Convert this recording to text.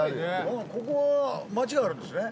ここは街があるんですね